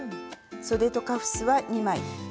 そでとカフスは２枚。